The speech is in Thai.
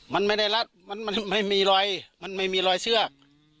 มันไม่ได้รัดมันไม่มีรอยมันไม่มีรอยเชือก